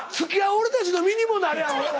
俺たちの身にもなれや！